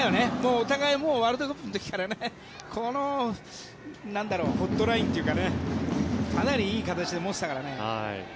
お互いにワールドカップの時からこのホットラインというかねかなりいい形で持っていたからね。